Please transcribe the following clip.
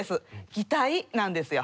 擬態なんですよ。